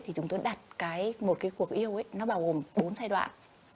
thì chúng tôi đặt một cái cuộc yêu nó bao gồm bốn giai đoạn